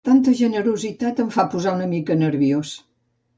Tanta generositat em fa posar una mica nerviós.